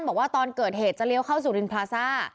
บอกว่าตอนเกิดเหตุจะเลี้ยวเข้าสู่รินพลาซ่า